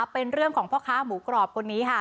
เป็นเรื่องของพ่อค้าหมูกรอบคนนี้ค่ะ